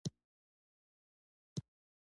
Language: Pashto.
د زړه عملونه دي .